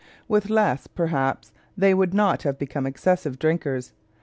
With less, perhaps, they would not have become excessive drinkers.